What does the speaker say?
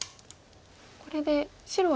これで白は。